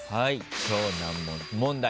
超難問問題